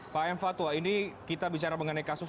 pak m fatwa ini kita bicara mengenai kasus